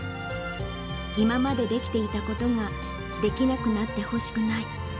今までできていたことができなくなってほしくない。